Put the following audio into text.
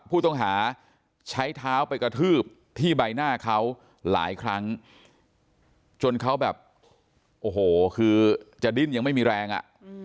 ผู้ต้องหาใช้เท้าไปกระทืบที่ใบหน้าเขาหลายครั้งจนเขาแบบโอ้โหคือจะดิ้นยังไม่มีแรงอ่ะ